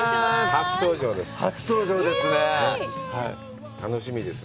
初登場です。